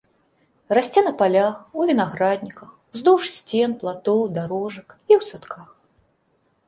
Расце на палях, у вінаградніках, уздоўж сцен, платоў, дарожак і ў садках.